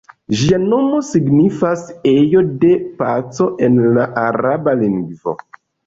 Ĝia nomo signifas "ejo de paco" en la araba lingvo.